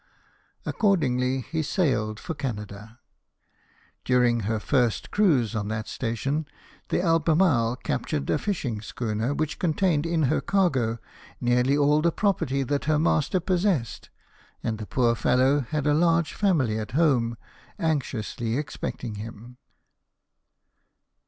Accordingly, he sailed for Canada. During her first cruise on that station, the Albemarle cap tured a fishing schooner, which contained in her 26 LIFE OF NELSON. cargo nearly all the property that her master possessed, and the poor fellow had a large family at home, anxiously expecting him.